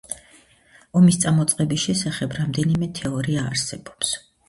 ომის წამოწყების შესახებ რამდენიმე თეორია არსებობს.